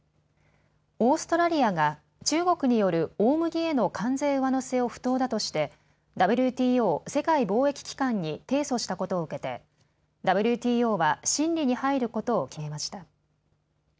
オーストラリアが中国による大麦への関税上乗せを不当だとしてＷＴＯ・世界貿易機関に提訴したことを受けてＷＴＯは審理に入ることを決めました。